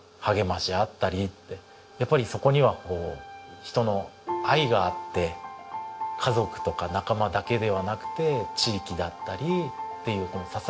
やっぱりそこにはこう人の愛があって家族とか仲間だけではなくて地域だったりっていうこの支え合う。